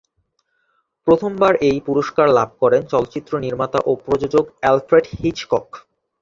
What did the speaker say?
প্রথম বার এই পুরস্কার লাভ করেন চলচ্চিত্র নির্মাতা ও প্রযোজক অ্যালফ্রেড হিচকক।